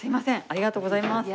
ありがとうございます。